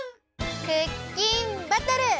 クッキンバトル！